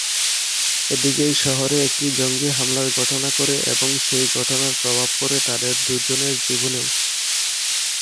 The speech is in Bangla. এদিকে শহরে একটি জঙ্গি হামলার ঘটনা করে এবং সেই ঘটনার প্রভাব পড়ে তাদের দু’জনের জীবনেও।